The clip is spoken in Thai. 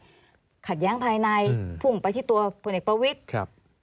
ไปทางไหนขัดแย้งภายในพุ่งไปที่ตัวผู้เน็ตประวิทธิ์